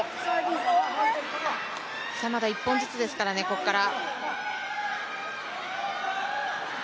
まだ一本ずつですからね、ここから。